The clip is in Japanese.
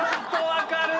分かる？